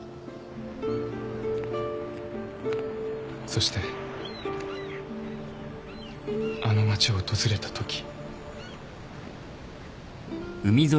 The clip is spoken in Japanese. そしてあの町を訪れたとき。